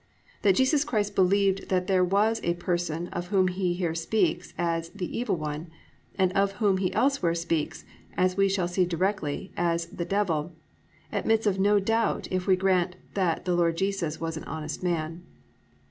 That Jesus Christ believed that there was a person of whom He here speaks as "The Evil One" and of whom He elsewhere speaks, as we shall see directly, as "The Devil," admits of no doubt if we grant that the Lord Jesus was an honest man.